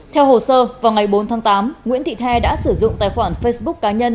theo hồ sơ vào ngày bốn tháng tám nguyễn thị the đã sử dụng tài khoản facebook cá nhân